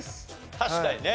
確かにね。